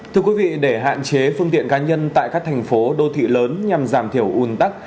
thưa quý vị để hạn chế phương tiện cá nhân tại các thành phố đô thị lớn nhằm giảm thiểu un tắc